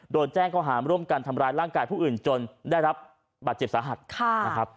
โดนแจ้งเขาหามร่วมกันทำร้ายร่างกายผู้อื่นจนได้รับบาดเจ็บสาหัสนะครับ